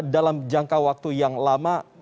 dalam jangka waktu yang lama